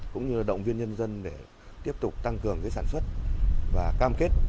cũng như là động viên nhân dân để tiếp tục tăng cường cái sản xuất